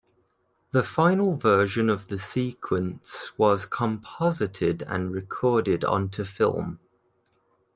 The final version of the sequence was composited and recorded onto film.